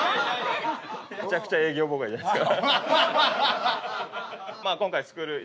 むちゃくちゃ営業妨害じゃないですか。